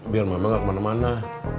biar mama gak kemana mana